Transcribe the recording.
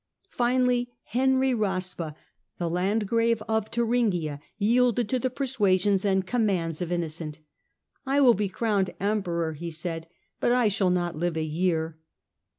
Finally, Henry Raspe, the Landgrave of Thuringia, yielded to the persuasions and commands of Innocent. " I will be crowned Emperor," he said, " but I shall not live a year."